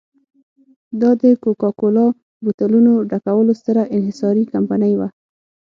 دا د کوکا کولا بوتلونو ډکولو ستره انحصاري کمپنۍ وه.